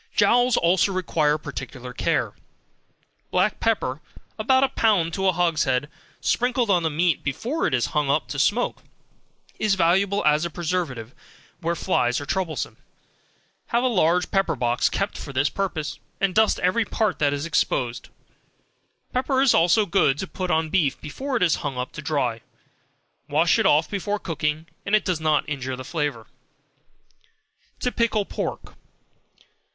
Jowls also require particular care; black pepper, about a pound to a hogshead, sprinkled on the meat before it is hung up to smoke, is valuable as a preventive where flies are troublesome; have a large pepper box kept for the purpose, and dust every part that is exposed; pepper is also good to put on beef before it is hung up to dry; wash it off before cooking, and it does not injure the flavor. To Pickle Pork.